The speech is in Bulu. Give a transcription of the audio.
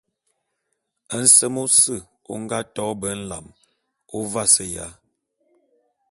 Nsem ôse ô nga to be nlam ô vaseya.